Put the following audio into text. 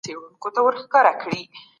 سم نیت کرکه نه زیاتوي.